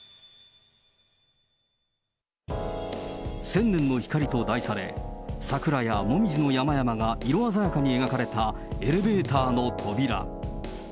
千年の光と題され、桜やモミジの山々が色鮮やかに描かれたエレベーターの扉。